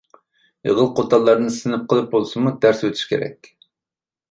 ئېغىل قوتانلارنى سىنىپ قىلىپ بولسىمۇ دەرس ئۆتۈش كېرەك.